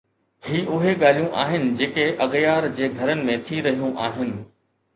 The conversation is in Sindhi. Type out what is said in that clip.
هي اهي ڳالهيون آهن جيڪي اغيار جي گهرن ۾ ٿي رهيون آهن؟